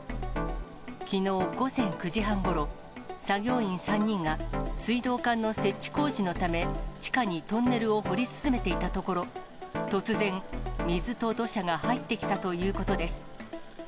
きのう午前９時半ごろ、作業員３人が、水道管の設置工事のため、地下にトンネルを掘り進めていたところ、突然、水と土砂が入ってきたということです。